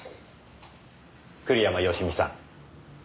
栗山佳美さん。